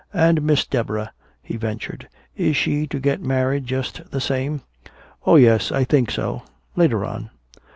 "And Miss Deborah," he ventured. "Is she to get married just the same?" "Oh, yes, I think so later on."